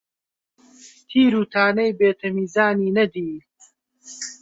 تیر و تانەی بێ تەمیزانی نەدی،